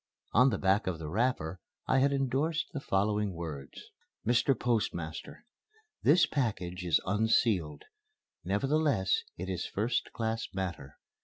On the back of the wrapper I had endorsed the following words: "Mr. Postmaster: This package is unsealed. Nevertheless it is first class matter.